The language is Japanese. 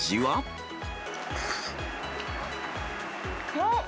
おっ。